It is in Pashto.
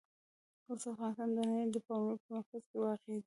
اوس افغانستان د نړۍ د پاملرنې په مرکز کې واقع دی.